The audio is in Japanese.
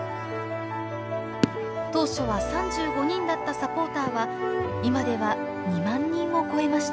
当初は３５人だったサポーターは今では２万人を超えました。